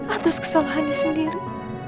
atas kesalahannya sendiri